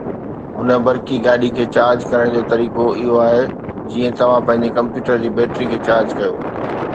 هن برقي گاڏي کي چارج ڪرڻ جو طريقو اهو آهي جيئن توهان پنهنجي ڪمپيوٽر جي بيٽري کي چارج ڪيو